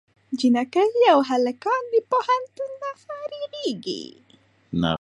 جینکۍ او هلکان د پوهنتون نه فارغېږي